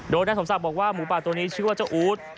โดดและสงสัยลบอกว่าหูป่าตัวนี้ชื่อว่าเจ้าอูต